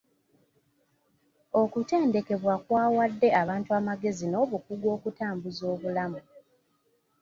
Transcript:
Okutendekebwa kwawadde abantu amagezi n'obukugu okutambuza obulamu.